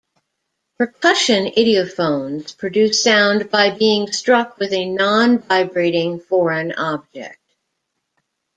Percussion idiophones produce sound by being struck with a non-vibrating foreign object.